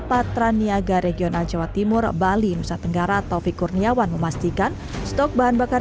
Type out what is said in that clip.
patraniaga regional jawa timur bali nusa tenggara taufik kurniawan memastikan stok bahan bakar